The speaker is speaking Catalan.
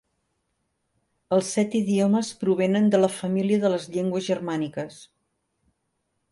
Els set idiomes provenen de la família de les llengües germàniques.